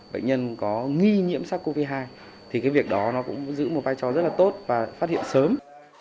bệnh nhân có nghi nhiễm sắc covid một mươi chín thì cái việc đó cũng giữ một vai trò rất là tốt và phát hiện sớm